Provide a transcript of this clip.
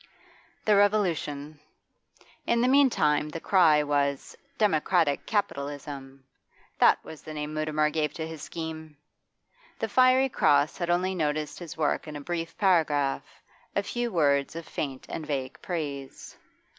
The Revolution.... In the meantime the cry was 'Democratic Capitalism.' That was the name Mutimer gave to his scheme! The 'Fiery Gross' had only noticed his work in a brief paragraph, a few words of faint and vague praise.